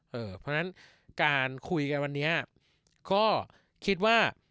เพราะฉะนั้นการคุยกันวันนี้ก็คิดว่า